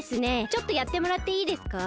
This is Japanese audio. ちょっとやってもらっていいですか？